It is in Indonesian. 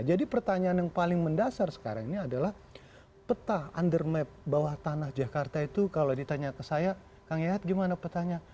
jadi pertanyaan yang paling mendasar sekarang ini adalah peta under map bawah tanah jakarta itu kalau ditanya ke saya kang yehat gimana petanya